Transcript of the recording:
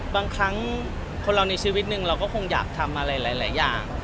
บางครั้งคนเราในชีวิตหนึ่งเราก็คงอยากทำอะไรหลายอย่าง